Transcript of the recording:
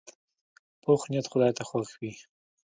پوخ نیت خدای ته خوښ وي